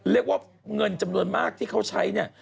เรียกว่าเงินจำนวนมากที่เขาใช้เนี่ย